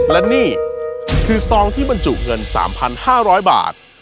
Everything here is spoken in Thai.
และนี่คือซองที่บรรจุเงิน๓๕๐๐บาท